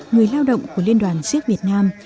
người lao động của liên đoàn siếc việt nam